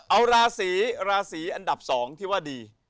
เอาราสีอันดับสองที่ว่าดี